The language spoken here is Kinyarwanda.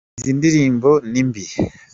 izindirimbo nimbi